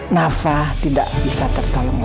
nafa tidak bisa tertolong lagi